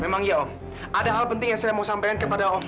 memang iya om ada hal penting yang saya mau sampaikan kepada om